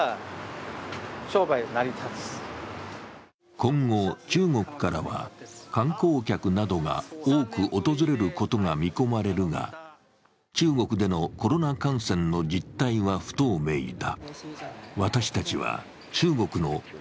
今後、中国からは観光客などが多く訪れることが見込まれるが、中国でのコロナ感染の実態は不透明だ。